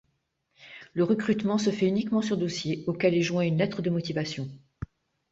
Le recrutement se fait uniquement sur dossier, auquel est joint une lettre de motivation.